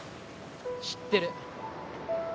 知ってる。